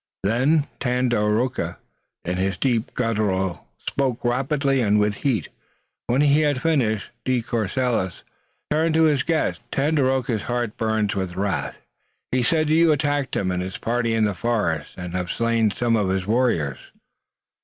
Then Tandakora, in his deep guttural, spoke rapidly and with heat. When he had finished de Courcelles turned to his guests, and with a deprecatory gesture, said: "Tandakora's heart burns with wrath. He says that you attacked him and his party in the forest and have slain some of his warriors."